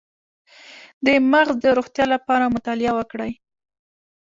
د مغز د روغتیا لپاره مطالعه وکړئ